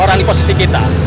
orang di posisi kita